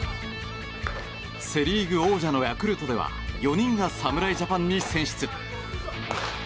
セ・リーグ王者のヤクルトでは４人が侍ジャパンに選出。